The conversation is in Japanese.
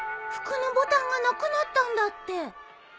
服のボタンがなくなったんだって。